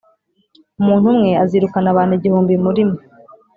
Umuntu umwe azirukana abantu igihumbi muri mwe,